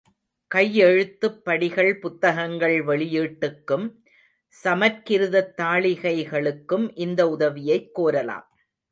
கையெழுத்துப் படிகள் புத்தகங்கள் வெளியீட்டுக்கும், சமற்கிருதத் தாளிகைகளுக்கும் இந்த உதவியைக் கோரலாம்.